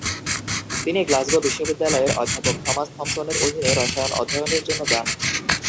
তিনি গ্লাসগো বিশ্ববিদ্যালয়ে অধ্যাপক থমাস থমসনের অধীনে রসায়ন অধ্যয়নের জন্য যান।